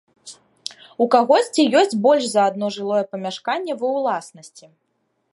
У кагосьці ёсць больш за адно жылое памяшканне ва ўласнасці.